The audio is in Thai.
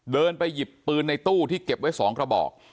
เดินไปหยิบปืนในตู้ที่เก็บไว้๒กระบอก